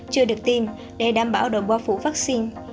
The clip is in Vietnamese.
chưa được tiêm để đảm bảo độ bao phủ vaccine